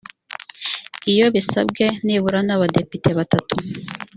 iyo bisabwe nibura n’abadepite batatu.